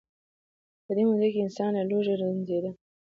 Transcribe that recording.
په دې موده کې انسان له لوږې رنځیده.